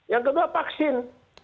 yang kedua vaksin